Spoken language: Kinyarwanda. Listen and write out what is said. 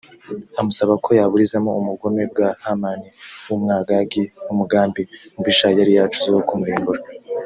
amusaba ko yaburizamo ubugome bwa hamani w’umwagagi n’umugambi mubisha yari yacuze wo kumurimbura